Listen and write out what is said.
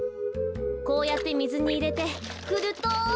こうやってみずにいれてふると。